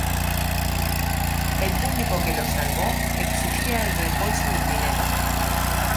El publico que los salvo exigía el reembolso del dinero.